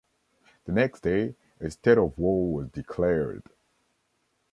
The next day, a state of war was declared.